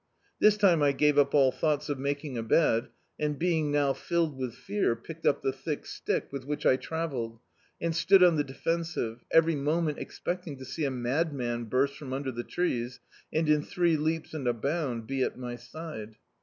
This time I gave up all thoughts of making a bed, and being now filled with fear, picked up the thick stick with which I travelled, and stood on the defensive, every moment expecting to see a madman burst from under the trees and in three leaps and a bound be at my side.